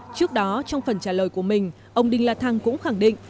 trước đó trong phần trả lời của mình ông đinh la thăng cũng khẳng định